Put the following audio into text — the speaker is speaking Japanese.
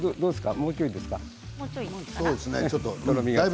もうちょいですか？